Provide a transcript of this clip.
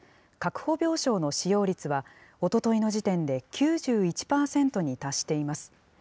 確保病床の使用率は、おとといの時点で９１％に達しています。